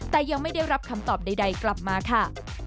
แต่ยังไม่ได้รับคำตอบใดกลับมาค่ะ